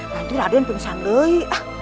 nanti raden pengisian gue